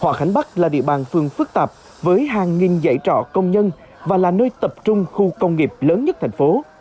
hòa khánh bắc là địa bàn phường phức tạp với hàng nghìn dạy trọ công nhân và là nơi tập trung khu công nghiệp lớn nhất thành phố